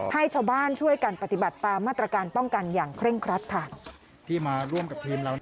ให้ชาวบ้านช่วยกันปฏิบัติตามมาตรการป้องกันอย่างเคร่งครัฐค่ะ